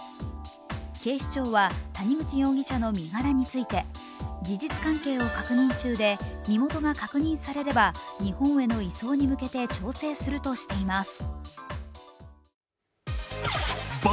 警視庁は谷口容疑者の身柄について事実関係を確認中で身元が確認されれば日本への移送に向けて、調整するとしています。